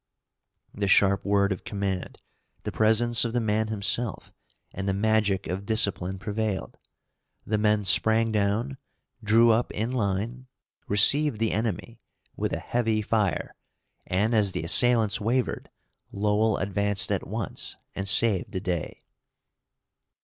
The sharp word of command, the presence of the man himself, and the magic of discipline prevailed. The men sprang down, drew up in line, received the enemy, with a heavy fire, and as the assailants wavered, Lowell advanced at once, and saved the day.